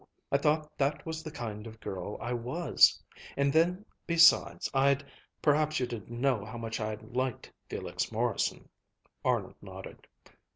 I thought that was the kind of girl I was. And then, besides, I'd perhaps you didn't know how much I'd liked Felix Morrison." Arnold nodded.